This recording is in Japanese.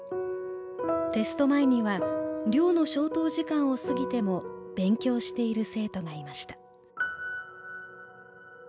テスト前には寮の消灯時間を過ぎても勉強している生徒がいました。